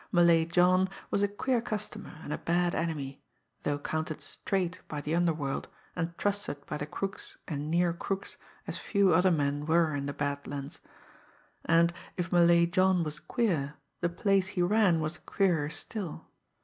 Malay John was a queer customer and a bad enemy, though counted "straight" by the underworld, and trusted by the crooks and near crooks as few other men were in the Bad Lands. And, if Malay John was queer, the place he ran was queerer still.